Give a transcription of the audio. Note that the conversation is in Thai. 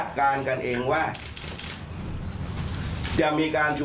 ปฏิตามภาพบังชั่วมังตอนของเหตุการณ์ที่เกิดขึ้นในวันนี้พร้อมกันครับ